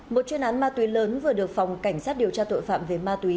một chuyên án ma túy lớn vừa được phòng cảnh sát điều tra tội phạm về ma túy